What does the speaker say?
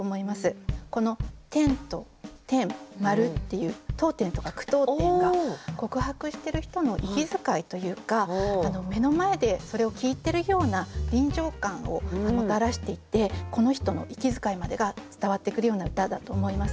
いう読点とか句読点が告白してる人の息遣いというか目の前でそれを聞いてるような臨場感をもたらしていてこの人の息遣いまでが伝わってくるような歌だと思います。